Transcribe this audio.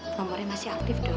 nomornya masih aktif dong